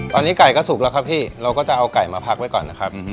ตอนนี้ไก่ก็สุกแล้วครับพี่เราก็จะเอาไก่มาพักไว้ก่อนนะครับ